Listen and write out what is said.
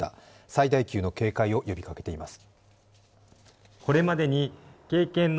最大級の警戒を呼びかけています。